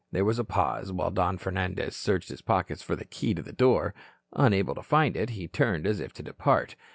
There was a pause, while Don Fernandez searched his pockets for the key to the door. Unable to find it, he turned as if to depart.